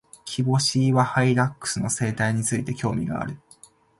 キボシイワハイラックスの生態について、興味がある。